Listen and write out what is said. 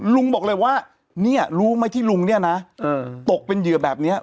ลุงบอกเลยว่าเนี่ยรู้ไหมที่ลุงเนี่ยนะตกเป็นเหยื่อแบบนี้